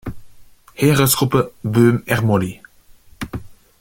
Heeresgruppe „Böhm-Ermolli“.